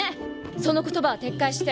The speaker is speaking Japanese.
その言葉は撤回して。